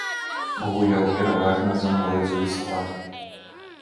Гуляў пераважна за моладзевы склад.